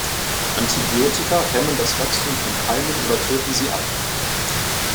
Antibiotika hemmen das Wachstum von Keimen oder töten sie ab.